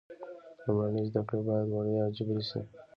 لومړنۍ زده کړې باید وړیا او جبري شي.